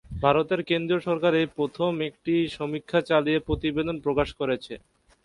ভারতের কেন্দ্রীয় সরকার এই প্রথম একটি সমীক্ষা চালিয়ে প্রতিবেদন প্রকাশ করেছে।